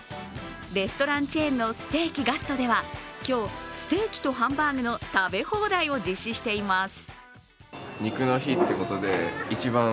レストランチェーンのステーキガストでは今日、ステーキとハンバーグの食べ放題を実施しています。